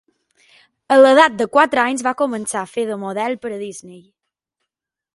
A l'edat de quatre anys va començar a fer de model per a Disney.